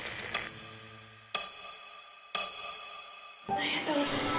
ありがとうございます。